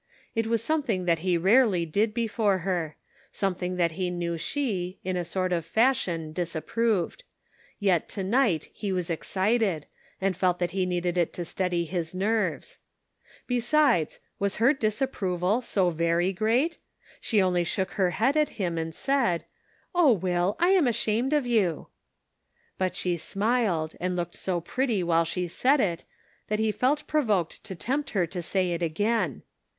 It was something that he rarely did before her ; something that he knew she, in a sort of fash ion, disapproved ; yet to night he was excited, and felt that he needed it to steady his nerves ! Besides, was her disapproval so very great ? She only shook her head at him and said : "Oh, Will, I am ashamed of you." But she smiled, and looked so pretty while she said it, that he felt provoked to tempt her to say it again.